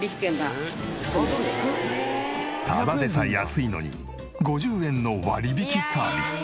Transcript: ただでさえ安いのに５０円の割引サービス。